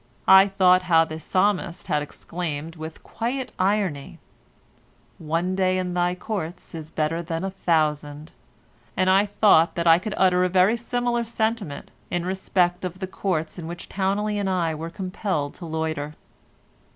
I thought how the Psalmist had exclaimed with quiet irony, "One day in thy courts is better than a thousand," and I thought that I could utter a very similar sentiment in respect of the Courts in which Towneley and I were compelled to loiter.